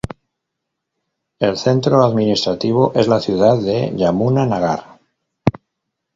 El centro administrativo es la ciudad de Yamuna Nagar.